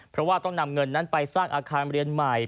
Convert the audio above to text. เพราะว่าต้องนำเงินนั้นไปสร้างอาคารเรียนใหม่